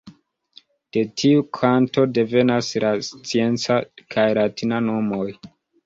De tiu kanto devenas la scienca kaj latina nomoj.